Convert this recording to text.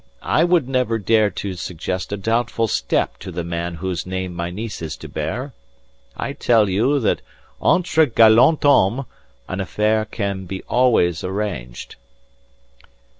I would never dare to suggest a doubtful step to the man whose name my niece is to bear. I tell you that entre gallants hommes an affair can be always arranged."